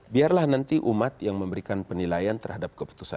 biarlah nanti umat yang memberikan penilaian terhadap keputusan